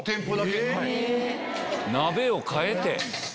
鍋を替えて。